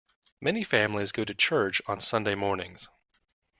Many families go to church on Sunday mornings.